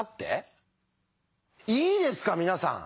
いいですか皆さん